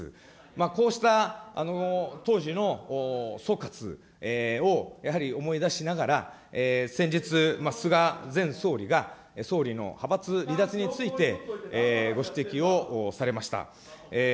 こうした当時の総括を、やはり思い出しながら、先日、菅前総理が総理の派閥離脱についてご指摘をされました。